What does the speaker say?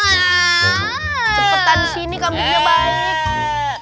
cepetan sini kembingnya baik